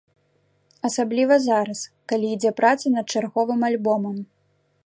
Асабліва зараз, калі ідзе праца над чарговым альбомам.